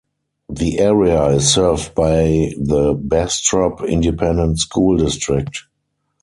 The area is served by the Bastrop Independent School District.